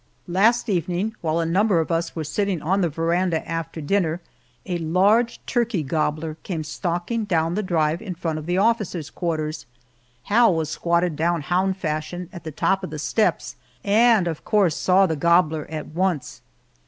Last evening, while a number of us were sitting on the veranda after dinner, a large turkey gobbler came Stalking down the drive in front of the officers' quarters. Hal was squatted down, hound fashion, at the top of the steps, and of course saw the gobbler at once.